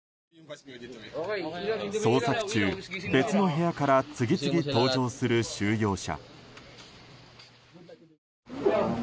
捜索中、別の部屋から次々登場する収容者。